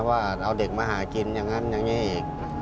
ว่าเอาเด็กมาหากินอย่างนั้นอย่างนี้อีก